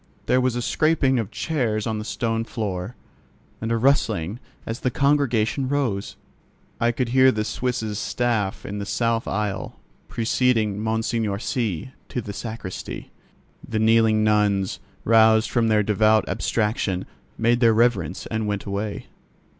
There was a scraping of chairs on the stone floor, and a rustling as the congregation rose. I could hear the Suisse's staff in the south aisle, preceding Monseigneur C—— to the sacristy. The kneeling nuns, roused from their devout abstraction, made their reverence and went away.